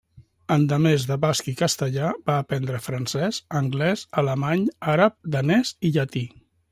Endemés de basc i castellà, va aprendre francès, anglès, alemany, àrab, danès i llatí.